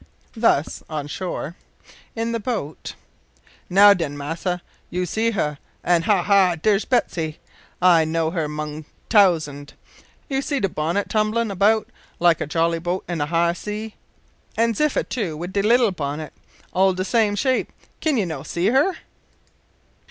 Thus on the shore. In the boat: "Now den, massa, you sees her an' ha! ha! dar's Betsy. I'd know her 'mong a t'ousind. You sees de bonnit tumblin' about like a jollyboat in a high sea; an' Ziffa too wid de leetil bonnit, all de same shape, kin you no' see her?"